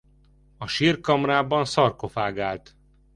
A sírkamrában szarkofág állt.